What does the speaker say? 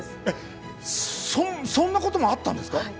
えっそんなこともあったんですか？